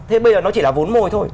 thế bây giờ nó chỉ là vốn mồi thôi